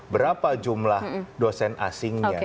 berapa jumlah dosen asingnya